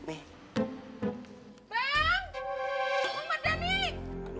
bapak apa ada nih